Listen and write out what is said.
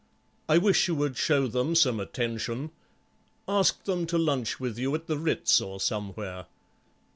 "I wish you would show them some attention. Ask them to lunch with you at the Ritz or somewhere."